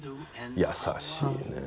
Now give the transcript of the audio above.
優しいねえ。